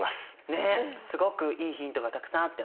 ねえすごくいいヒントがたくさんあったよね。